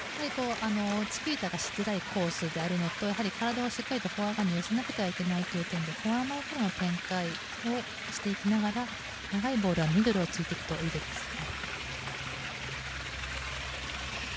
チキータがしづらいコースであるというのと体をしっかりとフォア側に寄せないといけないということでフォア側からの展開をしていきながら長いボールはミドルを突いていくといいですね。